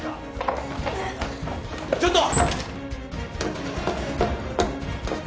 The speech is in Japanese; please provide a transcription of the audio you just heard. ちょっと！